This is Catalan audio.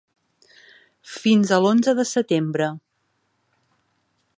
Fins a l’onze de setembre.